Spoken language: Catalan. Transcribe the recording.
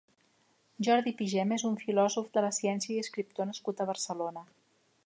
Jordi Pigem és un filòsof de la ciència i escriptor nascut a Barcelona.